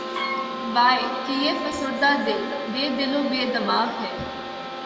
واے! کہ یہ فسردہ دل‘ بے دل و بے دماغ ہے